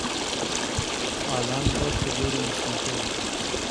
ئالان ڕۆیشتە ژووری نووستنەکەی.